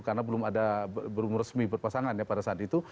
karena belum ada belum resmi berpasangan ya pada saat itu